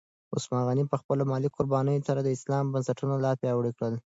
عثمان غني په خپلو مالي قربانیو سره د اسلام بنسټونه لا پیاوړي کړل.